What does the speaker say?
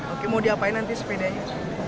oke mau diapain nanti sepedanya